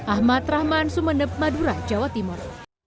ahmad rahman sumeneb madura jawa timur